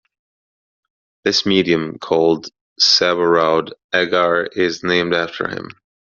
This medium, called Sabouraud agar is named after him.